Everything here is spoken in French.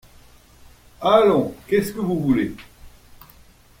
Allons ! qu’est-ce que vous voulez ?